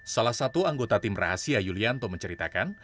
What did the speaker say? salah satu anggota tim rahasia yulianto menceritakan